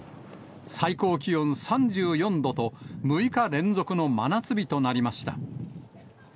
最高気温３４度と、６日連続の真夏日となりました。